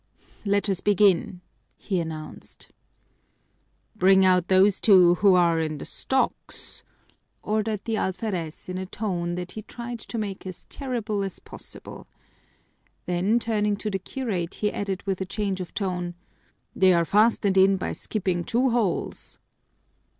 "Let us begin," he announced. "Bring out those two who are in the stocks," ordered the alferez in a tone that he tried to make as terrible as possible. Then turning to the curate he added with a change of tone, "They are fastened in by skipping two holes."